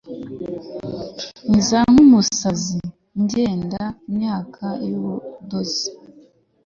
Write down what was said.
iza, nkumukasi ugenda, imyaka yubudozi